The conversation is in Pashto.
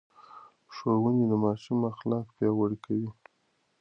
ښوونې د ماشوم اخلاق پياوړي کوي.